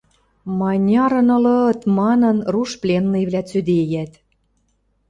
Манярын ылыт! – манын, руш пленныйвлӓ цӱдейӓт.